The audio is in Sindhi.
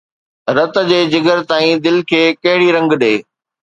رت جي جگر تائين دل کي ڪهڙي رنگ ڏي؟